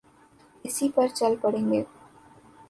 اسی پر چل پڑیں گے۔